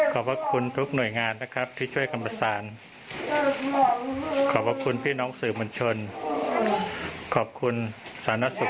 ขอบคุณทุกหน่วยงานนะครับที่ช่วยคำประสานขอบพระคุณพี่น้องสื่อมวลชนขอบคุณสาธารณสุข